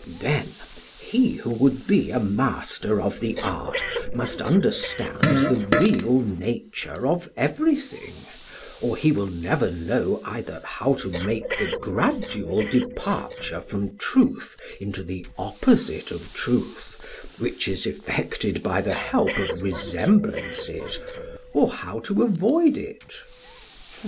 SOCRATES: Then he who would be a master of the art must understand the real nature of everything; or he will never know either how to make the gradual departure from truth into the opposite of truth which is effected by the help of resemblances, or how to avoid it?